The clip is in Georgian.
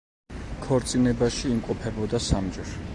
ქორწინებაში იმყოფებოდა სამჯერ.